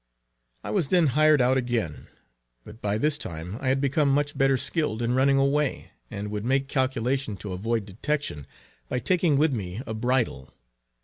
I was then hired out again; but by this time I had become much better skilled in running away, and would make calculation to avoid detection, by taking with me a bridle.